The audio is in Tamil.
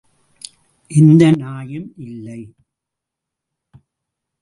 எந்த நாயும் இல்லை!